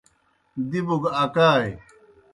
دِبوْ گہ اکائے۔